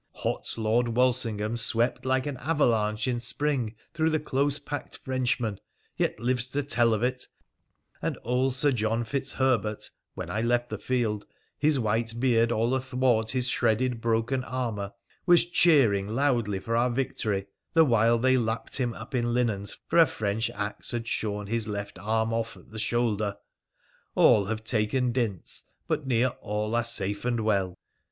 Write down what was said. Hot Lord Walsingham swept like an avalanche in spring through the close packed Frenchmen, yet lives to tell of it, and old Sir John Fitzherbert, when I left the field — his white beard all athwart his shredded broken armour — was cheering loudly for our victory, the while they lapped him up in linens, for a French axe had shorn his left arm off at the shoulder. All have taken dints, but near all are safe and well.'